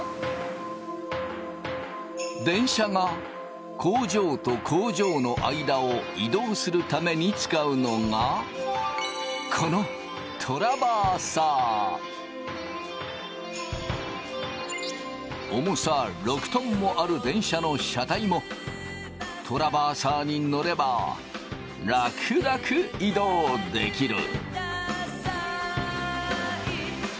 電車が工場と工場の間を移動するために使うのがこの重さ６トンもある電車の車体もトラバーサーに乗ればらくらく移動できる。